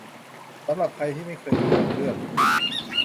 สำหรับใครที่ไม่เคยดูหนังเรื่อง